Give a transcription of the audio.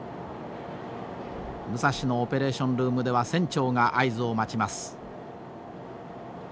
武蔵のオペレーションルームでは船長が合図を待ちます。